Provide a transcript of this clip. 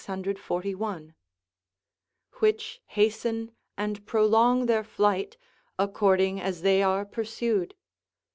] which hasten and prolong their flight, according as they are pursued.